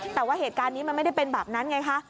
แต่ว่าเหตุการณ์นี้มันไม่ได้เป็นแบบนั้นไงคะ